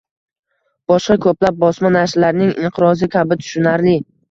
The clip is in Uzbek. boshqa ko‘plab bosma nashrlarning inqirozi kabi tushunarli